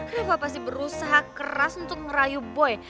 reva pasti berusaha keras untuk merayu boy